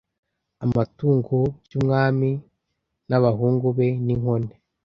amatungo by’umwami n’abahungu be, n’inkone,